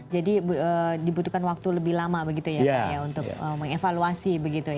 jadi dibutuhkan waktu lebih lama untuk mengevaluasi